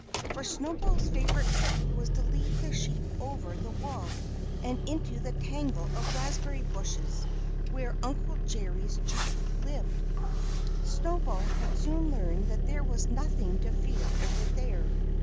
For Snowball's favorite trick was to lead the sheep over the wall and into the tangle of raspberry bushes where Uncle Jerry Chuck lived. Snowball had soon learned that there was nothing to fear over there.